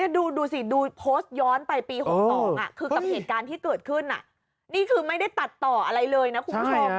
ดูสิดูโพสต์ย้อนไปปี๖๒คือกับเหตุการณ์ที่เกิดขึ้นนี่คือไม่ได้ตัดต่ออะไรเลยนะคุณผู้ชม